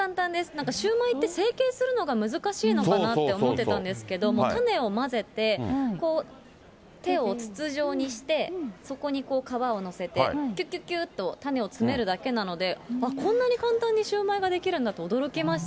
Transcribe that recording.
なんかシューマイって成形するのが難しいのかなって思ってたんですけど、種を混ぜて手を筒状にして、そこに皮を載せて、きゅっきゅっきゅっと種を詰めるだけなので、あっ、こんなに簡単にシューマイが出来るんだって驚きました。